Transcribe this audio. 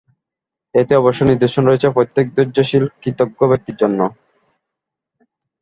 এতে অবশ্যই নিদর্শন রয়েছে প্রত্যেক ধৈর্যশীল কৃতজ্ঞ ব্যক্তির জন্য।